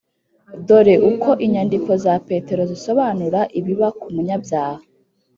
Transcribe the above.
dore uko inyandiko za petero zisobanura ibiba ku munyabyaha: